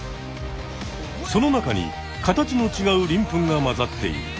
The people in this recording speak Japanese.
その中に形のちがうりん粉が混ざっている。